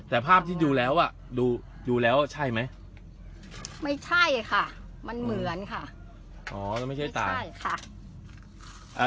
แต่ภาพที่ดูแล้วอ่ะดูดูแล้วใช่ไหมไม่ใช่ค่ะมันเหมือนค่ะอ๋อแล้วไม่ใช่ตายใช่ค่ะ